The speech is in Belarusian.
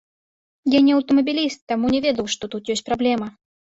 Я не аўтамабіліст, таму не ведаў, што тут ёсць праблема.